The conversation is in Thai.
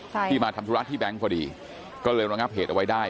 ใช่ที่มาทำธุระที่แบงค์พอดีก็เลยระงับเหตุเอาไว้ได้